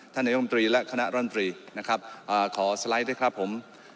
นายกรรมตรีและคณะรันตรีนะครับขอสไลด์ด้วยครับผม